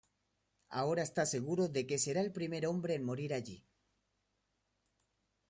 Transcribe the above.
Ahora está seguro de que será el primer hombre en morir allí.